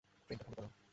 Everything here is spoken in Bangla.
ট্রেনটা খালি করো।